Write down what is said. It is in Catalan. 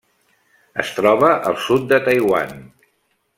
Es troba al sud de Taiwan.